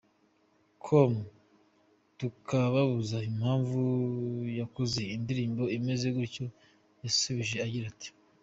com tukamubaza impamvu yakoze indirimbo imeze gutyo yasubije agira ati:.